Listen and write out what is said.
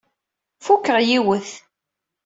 Fukeɣ yiwet.